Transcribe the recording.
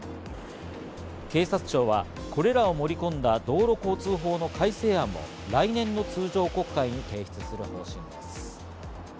警察庁はこれらを盛り込んだ道路交通法の改正案を来年の通常国会に提出する方針です。